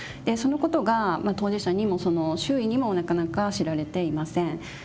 そのことが当事者にも周囲にもなかなか知られていません。